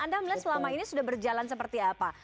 anda melihat selama ini sudah berjalan seperti apa